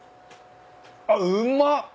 あっうまっ！